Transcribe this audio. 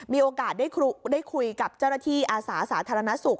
มีโอกาสได้คุยกับเจ้าหน้าที่อาสาสาธารณสุข